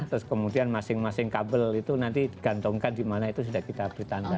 terus kemudian masing masing kabel itu nanti digantungkan di mana itu sudah kita beri tanda